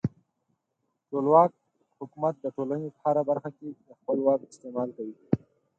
ټولواک حکومت د ټولنې په هره برخه کې د خپل واک استعمال کوي.